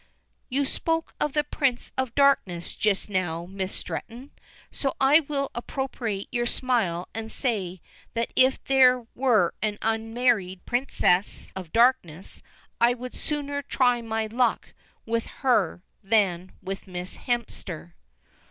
"You spoke of the Prince of Darkness just now, Miss Stretton, so I will appropriate your simile and say that if there were an unmarried Princess of Darkness I would sooner try my luck with her than with Miss Hemster."